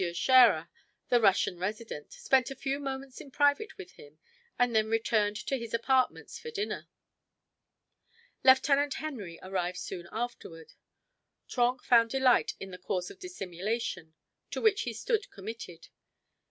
Scherer, the Russian resident, spent a few moments in private with him and then returned to his apartments for dinner. Lieutenant Henry arrived soon afterward. Trenck found delight in the course of dissimulation to which he stood committed.